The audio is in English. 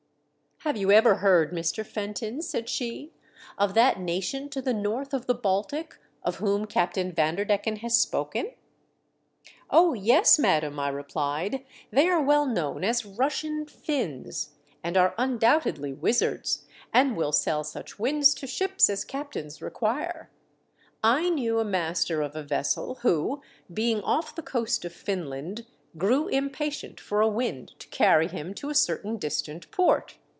" Have you ever heard, Mr. Fenton," said she, "of that nation to the north of the Baltic of whom Captain Vanderdecken has spoken ?' "Oh! yes, madam," I replied; "they are well known as Russian Finns, and are undoubtedly wizards, and will sell such winds to ships as captains require. ! knew a master of a vessel MY SWEETHEARTS JOY. 333 who, being off the coast of Finland, grew im patient for a wind to carry him to a certain distant port.